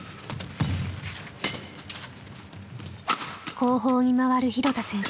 後方に回る廣田選手。